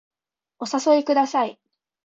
お誘いください